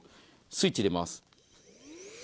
スイッチ入れます。